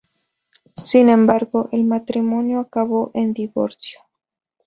Sin embargo, el matrimonio acabó en divorcio.